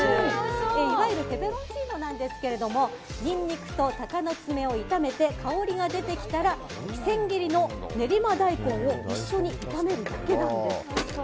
いわゆるペペロンチーノなんですがニンニクと鷹の爪を炒めて香りが出てきたら千切りの練馬大根を一緒に炒めるだけなんです。